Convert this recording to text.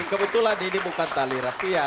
kebetulan ini bukan tali rafia